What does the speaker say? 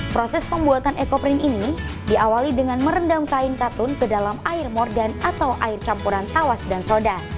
proses pembuatan ekoprint ini diawali dengan merendam kain katun ke dalam air mordan atau air campuran tawas dan soda